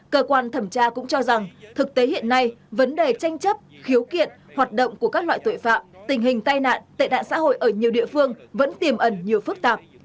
cơ quan thẩm tra cũng cho rằng thực tế hiện nay vấn đề tranh chấp khiếu kiện hoạt động của các loại tội phạm tình hình tai nạn tệ nạn xã hội ở nhiều địa phương vẫn tiềm ẩn nhiều phức tạp